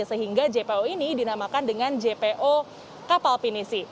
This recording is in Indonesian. sehingga jpo ini dinamakan dengan jpo kapal pinisi